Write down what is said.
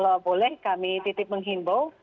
kalau boleh kami titip menghimbau